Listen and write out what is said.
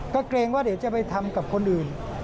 ก็เกรงว่าเดี๋ยวจะไปทำกับคนอื่น